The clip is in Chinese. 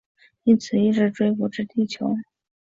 因此一直追捕至地球。